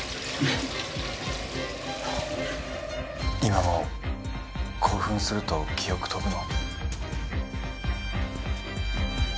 今も興奮すると記憶飛ぶの？